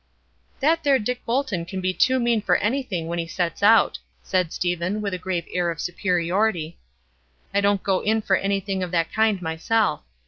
"That there Dick Bolton can be too mean for anything when he sets out," said Stephen, with a grave air of superiority. "I don't go in for anything of that kind myself.